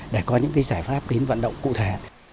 để có những cái giải pháp đến vận động cụ thể